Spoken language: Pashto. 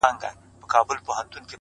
موخه لرونکی ذهن د ګډوډۍ نه وځي.!